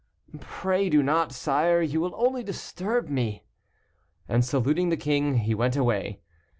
"Pray do not, sire, you will only disturb me," and saluting the king, he went away.